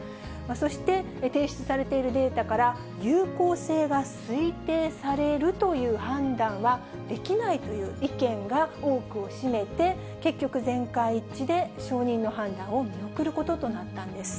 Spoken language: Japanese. そして、提出されているデータから、有効性が推定されるという判断は、できないという意見が多くを占めて、結局、全会一致で承認の判断を見送ることとなったんです。